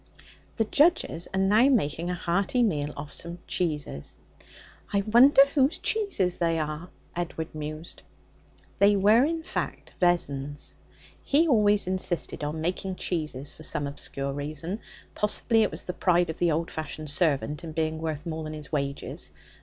The judges are now making a hearty meal off some cheeses. 'I wonder whose cheeses they are?' Edward mused. They were, in fact, Vessons'. He always insisted on making cheeses for some obscure reason; possibly it was the pride of the old fashioned servant in being worth more than his wages.